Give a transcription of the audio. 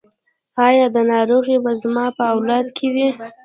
ایا دا ناروغي به زما په اولاد کې وي؟